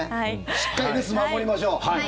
しっかり留守守りましょう。